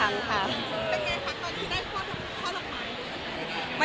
แล้วไงค่ะตอนที่ได้ช่อนอกไม้